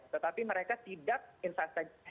tetapi mereka tidak investigasi